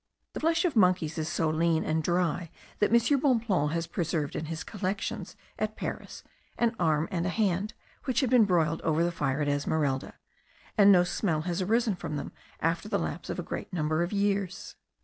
The flesh of monkeys is so lean and dry, that M. Bonpland has preserved in his collections at Paris an arm and hand, which had been broiled over the fire at Esmeralda; and no smell has arisen from them after the lapse of a great number of years.